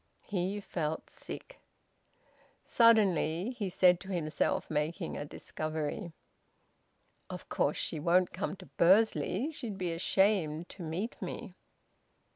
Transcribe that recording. He felt sick. Suddenly he said to himself making a discovery "Of course she won't come to Bursley. She'd be ashamed to meet me."